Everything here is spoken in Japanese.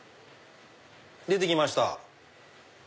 出てきました。